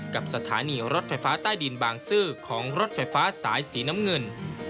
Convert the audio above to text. กับสถานีรถไฟฟ้าใต้ดินบางซื่อของรถไฟฟ้าสายสีน้ำเงิน